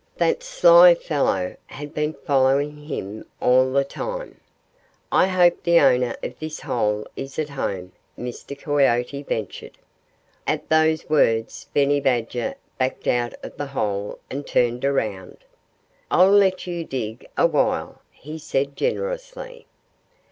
That sly fellow had been following him all the time. "I hope the owner of this hole is at home," Mr. Coyote ventured. At those words Benny Badger backed out of the hole and turned around. "I'll let you dig a while," he said generously.